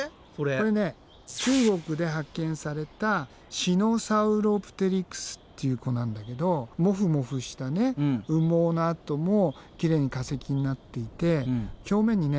これね中国で発見されたシノサウロプテリクスっていう子なんだけどモフモフした羽毛のあともきれいに化石になっていて表面にね